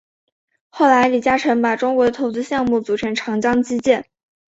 后来李嘉诚把中国的投资项目组成长江基建。